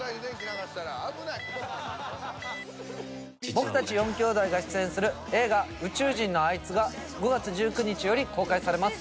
僕たち四兄妹が出演する映画「宇宙人のあいつ」が５月１９日より公開されます。